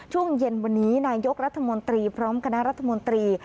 ช่วงเย็นวันนี้นายกรัฐมนตรีพร้อมคณะรัฐมนตรี